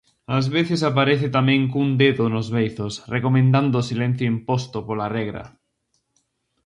Ás veces aparece tamén cun dedo nos beizos recomendando o silencio imposto pola regra.